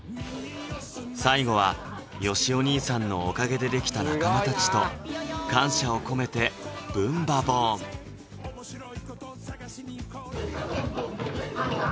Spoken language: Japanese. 最後はよしお兄さんのおかげでできた仲間たちと感謝を込めて「ブンバ・ボーン！」「ブンバ・ボンボンボ・ブンバ・ボーンハッ！！」